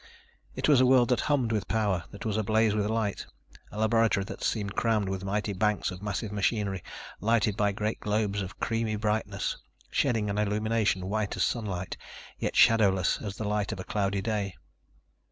It was a world that hummed with power, that was ablaze with light, a laboratory that seemed crammed with mighty banks of massive machinery, lighted by great globes of creamy brightness, shedding an illumination white as sunlight, yet shadowless as the light of a cloudy day.